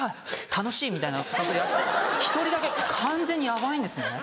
楽しい！」みたいなことやって１人だけ完全にヤバいんですね。